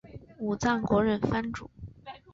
武藏国忍藩主。